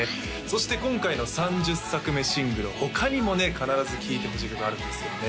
そして今回の３０作目シングルは他にもね必ず聴いてほしい曲があるんですよね